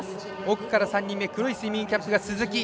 奥から３人目黒いスイミングキャップが鈴木。